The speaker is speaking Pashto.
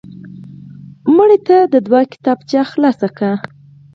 مړه ته د دعا کتابچه خلاص کړه